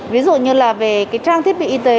ví dụ như là về cái trang thiết bị y tế